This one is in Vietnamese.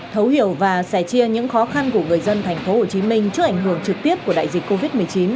thấu hiểu và sẻ chia những khó khăn của người dân thành phố hồ chí minh trước ảnh hưởng trực tiếp của đại dịch covid một mươi chín